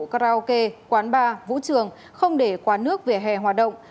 karaoke quán bar vũ trường không để quá nước về hè hoạt động